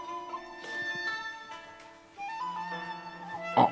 あっ！